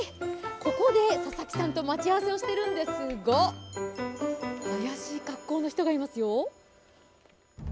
ここで佐々木さんと待ち合わせをしてるんですが怪しい格好の人がいますよ。